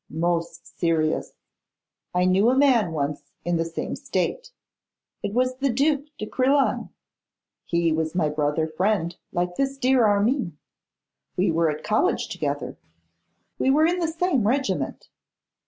'Most serious. I knew a man once in the same state. It was the Duc de Crillon. He was my brother friend, like this dear Armine. We were at college together; we were in the same regiment.